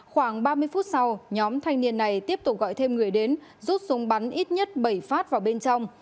khoảng ba mươi phút sau nhóm thanh niên này tiếp tục gọi thêm người đến rút súng bắn ít nhất bảy phát vào bên trong